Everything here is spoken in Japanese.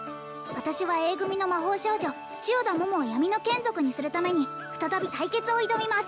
私はＡ組の魔法少女千代田桃を闇の眷属にするために再び対決を挑みます